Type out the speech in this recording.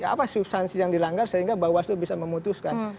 apa substansi yang dilanggar sehingga bawaslu bisa memutuskan